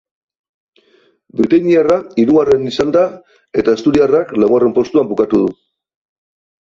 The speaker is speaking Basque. Britainiarra hirugarren izan da eta asturiarrak laugarren postuan bukatu du.